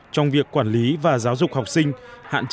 trong việc quản lý và giáo dục học sinh